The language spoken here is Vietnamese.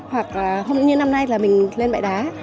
hoặc hôm nay như năm nay là mình lên bãi đá